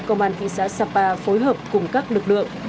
công an thị xã sapa phối hợp cùng các lực lượng